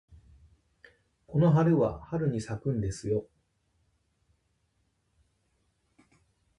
この花は春に咲くんですよ。